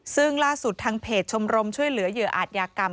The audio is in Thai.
ซึ่งล่าสุดทางเพจชมรมช่วยเหลือเหยื่ออาจยากรรม